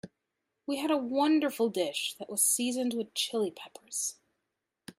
We had a wonderful dish that was seasoned with Chili Peppers.